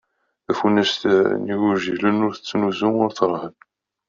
Tafunast n yigujilen ur t tettnuzu ur trehhen.